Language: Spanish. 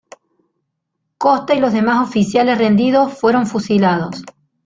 Costa y los demás oficiales rendidos fueron fusilados.